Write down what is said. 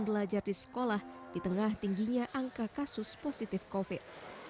belajar di sekolah di tengah tingginya angka kasus positif covid